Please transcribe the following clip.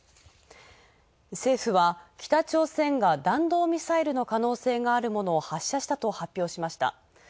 政府は北朝鮮が弾道ミサイルの可能性があるものを発射したと発表した。